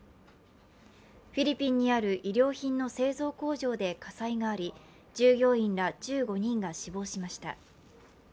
フィリピンにある衣料品の製造工場で火災があり従業員ら１５人が死亡しました。